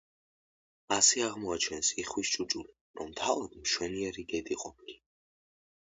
ასე აღმოაჩენს იხვის ჭუჭული, რომ თავადაც მშვენიერი გედი ყოფილა.